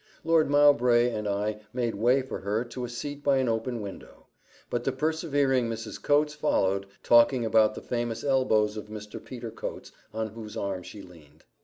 Lord Mowbray and I made way for her to a seat by an open window; but the persevering Mrs. Coates followed, talking about the famous elbows of Mr. Peter Coates, on whose arm she leaned.